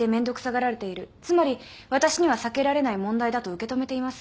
つまり私には避けられない問題だと受け止めています。